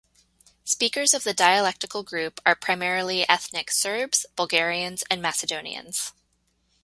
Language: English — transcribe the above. Speakers of the dialectal group are primarily ethnic Serbs, Bulgarians, and Macedonians.